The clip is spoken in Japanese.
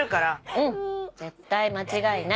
うん絶対間違いない。